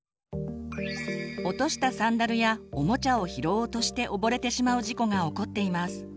落としたサンダルやおもちゃを拾おうとして溺れてしまう事故が起こっています。